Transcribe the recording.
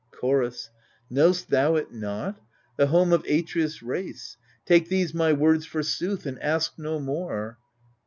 Chorus KnoVst thou it not ? The home of Atreus' race : Take these my words for sooth and ask no more.